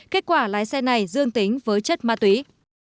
kết quả là xe này dương tính với chất ma tuy